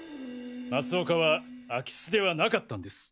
増岡は空き巣ではなかったんです。